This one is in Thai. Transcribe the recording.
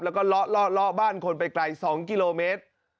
แล้วก็เลาะเลาะเลาะเลาะบ้านคนไปไกลสองกิโลเมตร